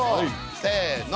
せの！